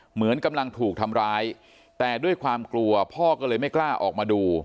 เหมือนกำลังถูกทำร้ายแต่ด้วยความกลัวพ่อก็เลยไม่กล้าออกมาดู